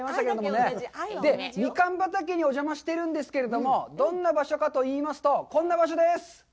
ミカン畑にお邪魔しているんですけれども、どんな場所かといいますと、こんな場所です！